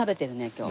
今日。